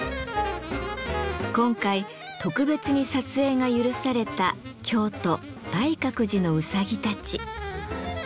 今回特別に撮影が許された京都大覚寺のうさぎたち。